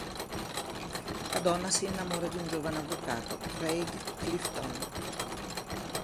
La donna si innamora di un giovane avvocato, Craig Clifton.